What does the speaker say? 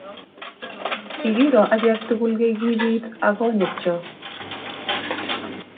Kikiro achek tukul keikibit akonyek chok